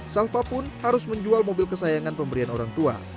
salva pun harus menjual mobil kesayangan pemberian orang tua